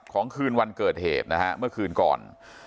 คืนวันเกิดเหตุนะฮะเมื่อคืนก่อน